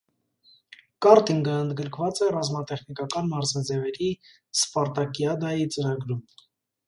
Կարտինգը ընդգրկված է ռազմատեխնիկական մարզաձևերի սպարտակիադայի ծրագրում։